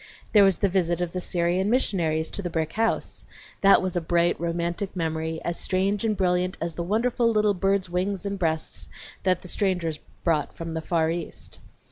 There was the visit of the Syrian missionaries to the brick house. That was a bright, romantic memory, as strange and brilliant as the wonderful little birds' wings and breasts that the strangers brought from the Far East.